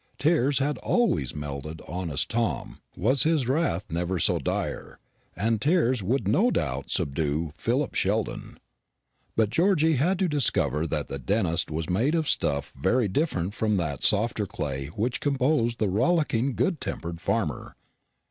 Tears had always melted honest Tom, was his wrath never so dire, and tears would no doubt subdue Philip Sheldon. But Georgy had to discover that the dentist was made of a stuff very different from that softer clay which composed the rollicking good tempered farmer.